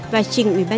và trình ubnd tp hà nội